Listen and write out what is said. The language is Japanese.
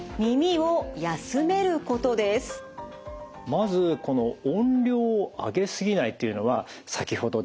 まずこの「音量を上げすぎない」というのは先ほど出てきました